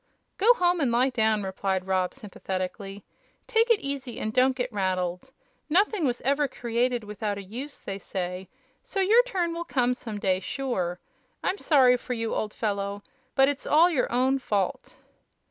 "Go home and lie down," replied Rob, sympathetically. "Take it easy and don't get rattled. Nothing was every created without a use, they say; so your turn will come some day, sure! I'm sorry for you, old fellow, but it's all your own fault."